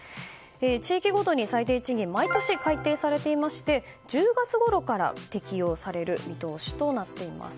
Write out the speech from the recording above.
地域ごとに最低賃金毎年改定されていまして１０月ごろから適用される見通しとなっています。